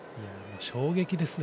衝撃ですね。